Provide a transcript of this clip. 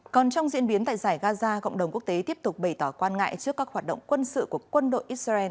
còn trong diễn biến tại giải gaza cộng đồng quốc tế tiếp tục bày tỏ quan ngại trước các hoạt động quân sự của quân đội israel